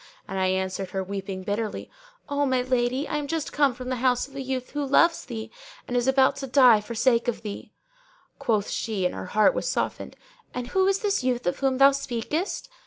and I answered her, weeping bitterly, 'O my lady, I am just come from the house of a youth who loves thee and who is about to die for sake of thee!' Quoth she (and her heart was softened), 'And who is this youth of whom thou speakest?'